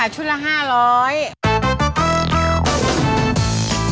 ใช่ค่ะชุดละ๕๐๐บาท